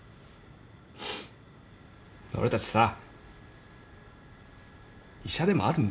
俺たちさ医者でもあるんだからさ。